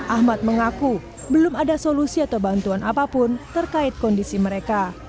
ahmad mengaku belum ada solusi atau bantuan apapun terkait kondisi mereka